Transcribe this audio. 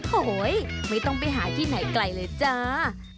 โอ้โหไม่ต้องไปหาที่ไหนไกลเลยจ้า